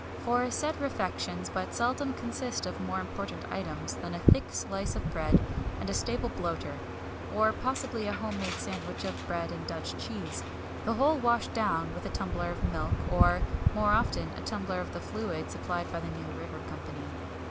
For said refections but seldom consist of more important items than a thick slice of bread and a stale bloater; or possibly a home made sandwich of bread and Dutch cheese the whole washed down with a tumbler of milk, or more often a tumbler of the fluid supplied by the New River Company.